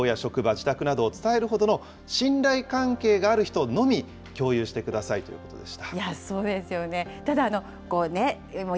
そして面識のある人でも、学校や職場、自宅などを伝えるほどの信頼関係がある人のみ共有してくださいということでした。